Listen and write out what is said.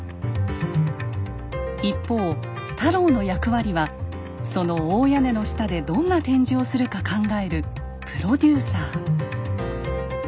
一方太郎の役割はその大屋根の下でどんな展示をするか考えるプロデューサー。